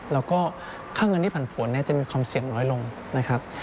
แล้วก็ค่าเงินที่ผ่านผลจะมีความเสี่ยงน้อยลงนะครับ